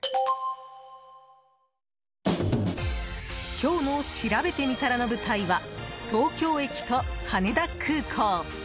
今日のしらべてみたらの舞台は東京駅と羽田空港！